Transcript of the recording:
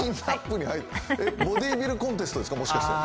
ボディービルコンテストですか、もしかして。